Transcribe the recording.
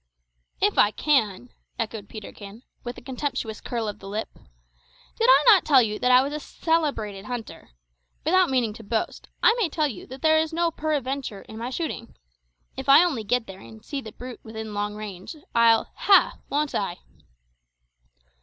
"If I can!" echoed Peterkin, with a contemptuous curl of the lip. "Did not I tell you that I was a celebrated hunter? Without meaning to boast, I may tell you that there is no peradventure in my shooting. If I only get there and see the brute within long range, I'll ha! won't I!"